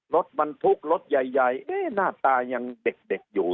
รถบรรทุกรถใหญ่หน้าตายังเด็กอยู่